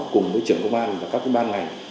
cùng với trưởng công an và các công an ngành